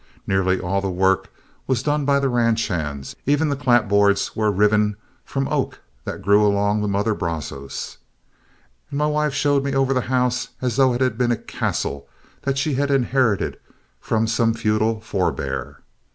Nearly all the work was done by the ranch hands, even the clapboards were riven from oak that grew along the mother Brazos, and my wife showed me over the house as though it had been a castle that she had inherited from some feudal forbear.